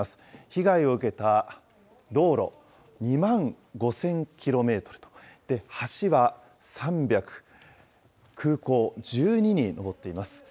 被害を受けた道路２万５０００キロメートル、橋は３００、空港１２に上っています。